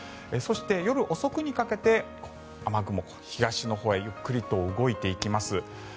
そして、夜遅くにかけて雨雲が東のほうへゆっくりと動いていきます。